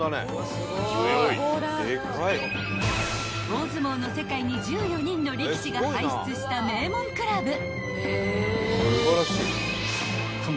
［大相撲の世界に１４人の力士が輩出した名門クラブ］